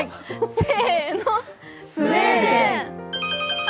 せーの、スウェーデン！